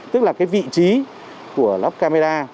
tức là cái vị trí của lắp camera